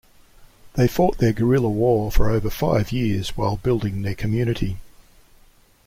They fought their guerrilla war for over five years while building their community.